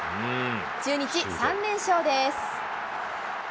中日、３連勝です。